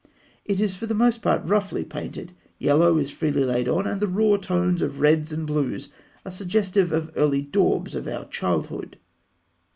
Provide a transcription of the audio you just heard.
It is for the most part roughly painted. Yellow is freely laid on, and the raw tones of the reds and blues are suggestive of the early daubs of our childhood.